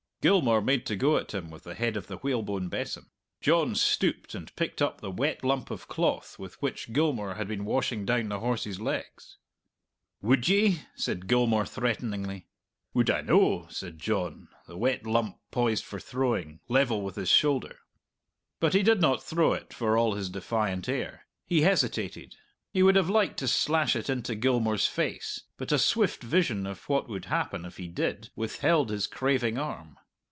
Gilmour made to go at him with the head of the whalebone besom. John stooped and picked up the wet lump of cloth with which Gilmour had been washing down the horse's legs. "Would ye?" said Gilmour threateningly. "Would I no?" said John, the wet lump poised for throwing, level with his shoulder. But he did not throw it for all his defiant air. He hesitated. He would have liked to slash it into Gilmour's face, but a swift vision of what would happen if he did withheld his craving arm.